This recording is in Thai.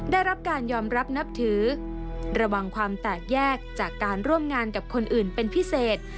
ได้รับการยอมรับนับถือระวังความแตกแยกจากการร่วมงานกับคนอื่นเป็นพิเศษ